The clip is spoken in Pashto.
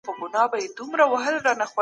استازي چیري د اقلیتونو حقونه لټوي؟